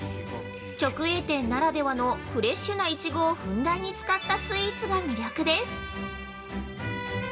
直営店ならではのフレッシュないちごをふんだんに使ったスイーツが魅力です。